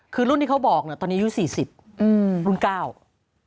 คือรุ่นนี้เขาบอกตอนนี้อายุ๔๐